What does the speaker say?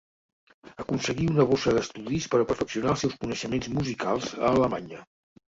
Aconseguí una bossa d'estudis per a perfeccionar els seus coneixements musicals a Alemanya.